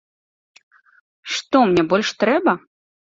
Што мне больш трэба?